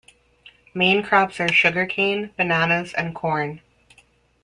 Main crops are sugar cane, bananas and corn.